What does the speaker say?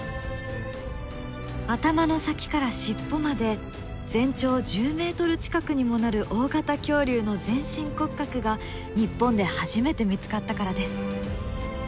頭の先から尻尾まで全長１０ｍ近くにもなる大型恐竜の全身骨格が日本で初めて見つかったからです。